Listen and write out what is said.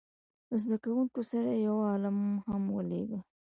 له زده کوونکو سره یې یو عالم هم ولېږه.